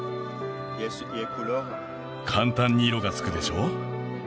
簡単に色がつくでしょ？